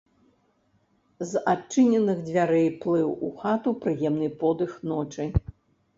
З адчыненых дзвярэй плыў у хату прыемны подых ночы.